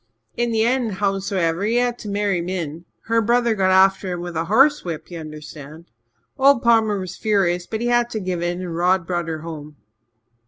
In the end, howsomever, he had to marry Min. Her brother got after him with a horse whip, ye understand. Old Palmer was furious but he had to give in and Rod brought her home.